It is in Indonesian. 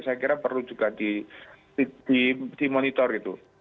saya kira perlu juga dimonitor gitu